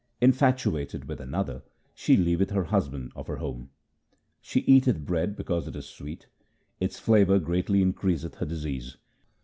Infatuated with another she leaveth the husband of her home. She eateth bread because it is sweet ; its flavour greatly increaseth her disease.